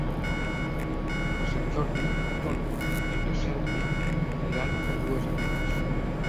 Per Sant Jordi en Ton i na Cèlia aniran a Duesaigües.